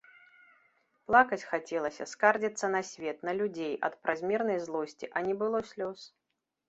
Плакаць хацелася, скардзіцца на свет, на людзей ад празмернай злосці, а не было слёз.